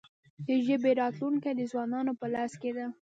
د ژبې راتلونکې د ځوانانو په لاس کې ده.